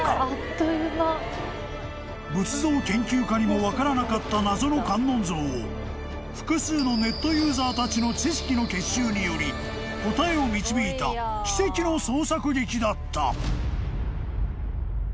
［仏像研究家にも分からなかった謎の観音像を複数のネットユーザーたちの知識の結集により答えを導いた奇跡の捜索劇だった］